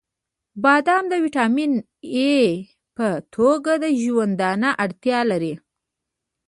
• بادام د ویټامین ای په توګه د ژوندانه اړتیا لري.